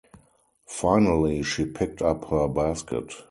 Finally she picked up her basket.